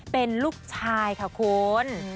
เป็นลูกชายค่ะคุณ